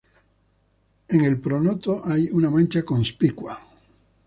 En el pronoto hay una mancha conspicua.